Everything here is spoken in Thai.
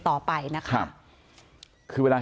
ต่อไปนะคะคือเวลา